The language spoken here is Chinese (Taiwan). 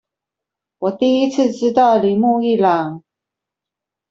我第一次知道鈴木一朗